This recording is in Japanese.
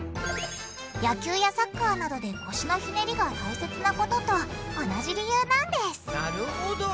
野球やサッカーなどで腰のひねりが大切なことと同じ理由なんですなるほど。